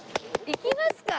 行きますか！